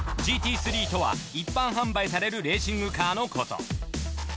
ＧＴ３とは一般販売されるレーシングカーのこと。